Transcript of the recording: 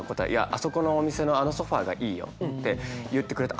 「あそこのお店のあのソファーがいいよ」って言ってくれて。